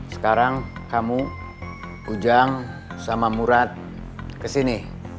sekarang kamu ujang sama murad kesini